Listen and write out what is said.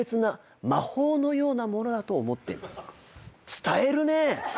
伝えるね。